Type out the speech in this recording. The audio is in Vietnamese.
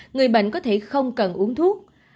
người bệnh có thể không cần uống thuốc